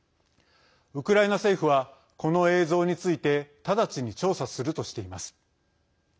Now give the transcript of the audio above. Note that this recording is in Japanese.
ウクライナ政府はこの映像について直ちに調査するとしています。